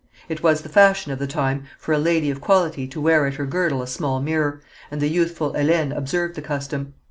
It was the fashion of the time for a lady of quality to wear at her girdle a small mirror, and the youthful Hélène observed the custom.